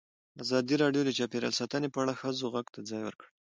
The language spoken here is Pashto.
ازادي راډیو د چاپیریال ساتنه په اړه د ښځو غږ ته ځای ورکړی.